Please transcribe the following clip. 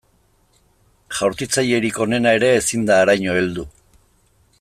Jaurtitzailerik onena ere ezin da haraino heldu.